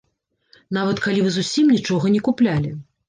Нават калі вы зусім нічога не куплялі.